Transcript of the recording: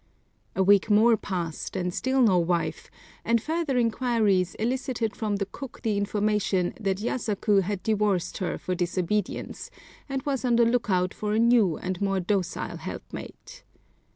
A week more passed, and still no wife, and further inquiries elicited from the cook the information that Yasaku had divorced her for disobedience, and was on the lookout for a new and more docile helpmate.